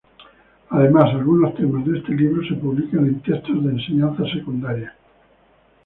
Además algunos temas de este libro se publican en textos de enseñanza secundaría.